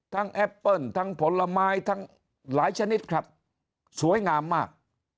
แอปเปิ้ลทั้งผลไม้ทั้งหลายชนิดครับสวยงามมาก